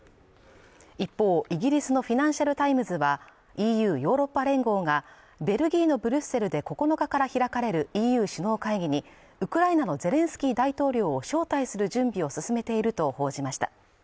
一方イギリスの「フィナンシャル・タイムズ」はＥＵ＝ヨーロッパ連合がベルギーのブリュッセルで９日から開かれるＥＵ首脳会議にウクライナのゼレンスキー大統領を招待する準備を進めていると報じました